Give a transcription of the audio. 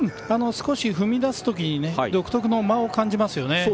少し踏み出す時に独特の間を感じますよね。